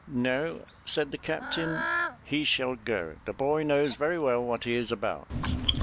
"No," said the captain, "he shall go; the boy knows very well what he is about!"